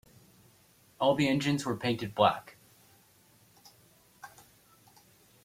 All the engines where painted black.